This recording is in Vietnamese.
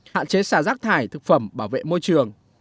hạn chế xả rác thải thực phẩm bảo vệ môi trường